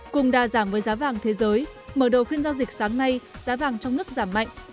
cùng đa giảm với giá vàng thế giới mở đầu phiên giao dịch sáng nay giá vàng trong nước giảm mạnh